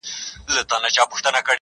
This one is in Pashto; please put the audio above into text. o مړی هر وخت په قيامت رضا وي.